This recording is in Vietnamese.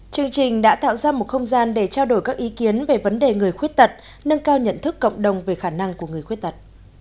chương trình đã tạo ra một không gian để trao đổi các ý kiến về vấn đề người khuyết tật nâng cao nhận thức cộng đồng về khả năng của người khuyết tật